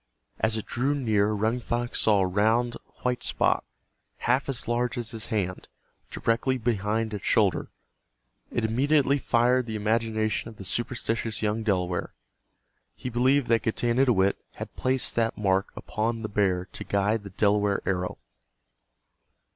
As it drew near Running Fox saw a round white spot, half as large as his hand, directly behind its shoulder. It immediately fired the imagination of the superstitious young Delaware. He believed that Getanittowit had placed that mark upon the bear to guide the Delaware arrow.